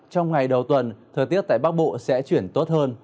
trong ngày đầu tuần thời tiết tại bắc bộ sẽ chuyển tốt hơn